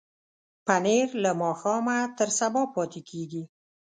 پنېر له ماښامه تر سبا پاتې کېږي.